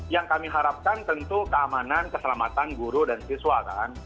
yang kami harapkan tentu keamanan keselamatan guru dan siswa kan